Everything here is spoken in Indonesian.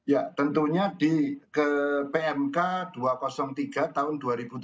ya tentunya ke pmk dua ratus tiga tahun dua ribu tujuh belas